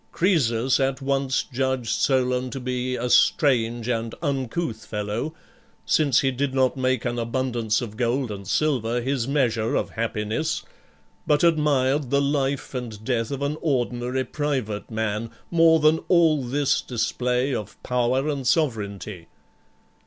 Croesus at once judged Solon to be a strange and uncouth fellow, since he did not make an abundance of gold and silver his measure of happiness, but admired the life and death of an ordinary private man more than all this display of power and sovereignty.